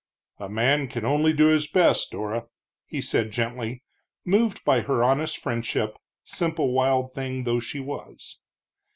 "A man can only do his best, Dora," he said gently, moved by her honest friendship, simple wild thing though she was.